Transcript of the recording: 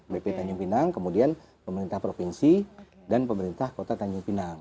bp tanjung pinang kemudian pemerintah provinsi dan pemerintah kota tanjung pinang